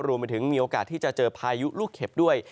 รวมไปถึงมีโอกาสที่จะเจอพายุลูกเข็บด้วย